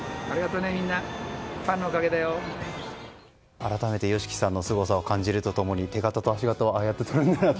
改めてＹＯＳＨＩＫＩさんのすごさを感じると共に手形と足形をああやってとるんだなと。